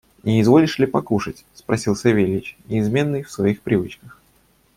– Не изволишь ли покушать? – спросил Савельич, неизменный в своих привычках.